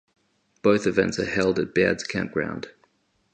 Both events are held at Baird's Campground.